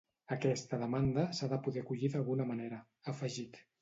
Aquesta demanda s’ha de poder acollir d’alguna manera, ha afegit.